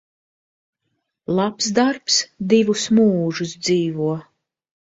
Labs darbs divus mūžus dzīvo.